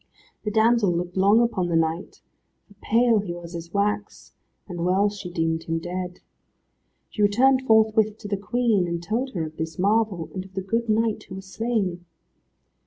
The damsel looked long upon the knight, for pale he was as wax, and well she deemed him dead. She returned forthwith to the Queen, and told her of this marvel, and of the good knight who was slain.